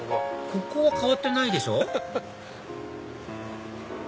ここは変わってないでしょ